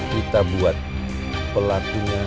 kita buat pelatihnya